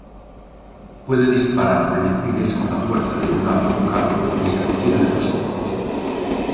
Puede disparar proyectiles con la fuerza de una bazuca desde cualquiera de sus hombros.